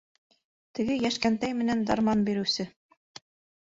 Теге йәш кәнтәй менән дарман биреүсе!